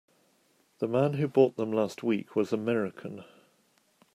The man who bought them last week was American.